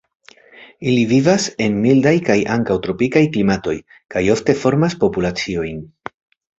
Ili vivas en mildaj kaj ankaŭ tropikaj klimatoj kaj ofte formas populaciojn.